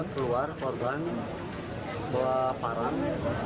keluar korban ke parang